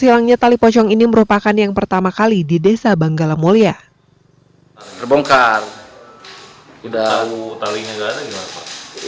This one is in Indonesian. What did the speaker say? hilangnya tali pocong ini merupakan yang pertama kali di desa banggala mulia terbongkar udah tahu talinya nggak ada